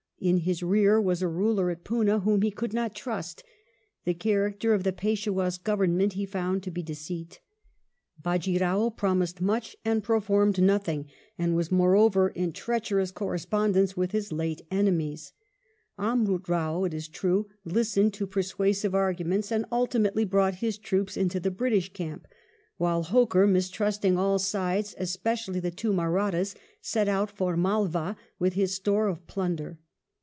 In his rear was a ruler at Poona whom he could not trust — the character of the Peishwah's government he found to be deceit ; Bajee Rao promised much and performed nothing, and was more over in treacherous correspondence with his late enemies. Amrut Rao, it is true, listened to persuasive arguments, and ultimately brought his troopers into the British camp, while Holkar, mistrusting all sides, especially the two Mahrattas, set out for Malwa with his store of plunder.